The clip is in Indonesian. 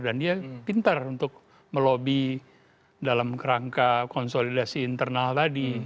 dan dia pintar untuk melobby dalam rangka konsolidasi internal tadi